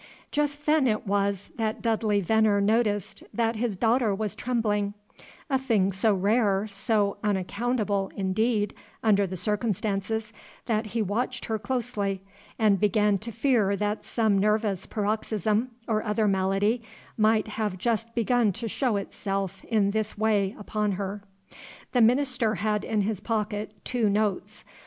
Just then it was that Dudley Veneer noticed that his daughter was trembling, a thing so rare, so unaccountable, indeed, under the circumstances, that he watched her closely, and began to fear that some nervous paroxysm, or other malady, might have just begun to show itself in this way upon her. The minister had in his pocket two notes.